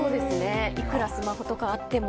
いくらスマホとかあっても。